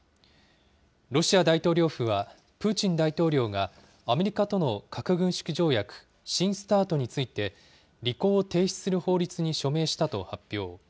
ロシア大統領府は、プーチン大統領がアメリカとの核軍縮条約、新ＳＴＡＲＴについて、履行を停止する法律に署名したと発表。